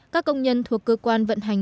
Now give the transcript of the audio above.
các công nhân thuộc cơ quan vận hành